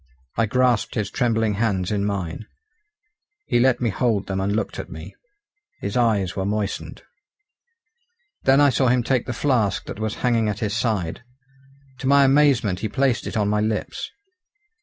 I grasped his trembling hands in mine. He let me hold them and looked at me. His eyes were moistened. Then I saw him take the flask that was hanging at his side. To my amazement he placed it on my lips.